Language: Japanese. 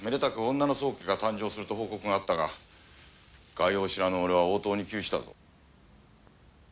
女の宗家が誕生すると報告があったが概要を知らぬ俺は応答に窮したぞ。